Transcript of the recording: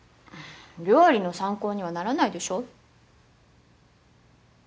料理の参考にはならないでしょ。